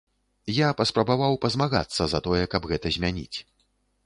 Я паспрабаваў пазмагацца за тое, каб гэта змяніць.